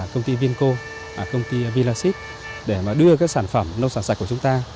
công ty vinco công ty vinasite để đưa các sản phẩm nông sản sạch của chúng ta